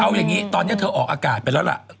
เอาอย่างนี้ตอนนี้เธอออกอากาศไปแล้วล่ะ